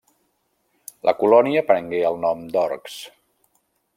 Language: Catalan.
La colònia prengué el nom d'Orsk.